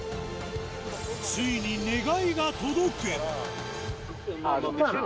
ついに願いが届く。